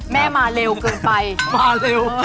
แม่มาเร็วเกินไป